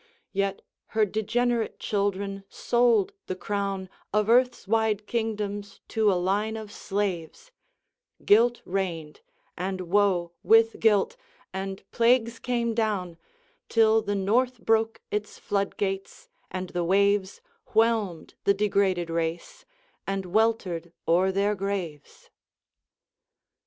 Yet her degenerate children sold the crown Of earth's wide kingdoms to a line of slaves; Guilt reigned, and woe with guilt, and plagues came down, Till the North broke its floodgates, and the waves Whelmed the degraded race, and weltered o'er their graves.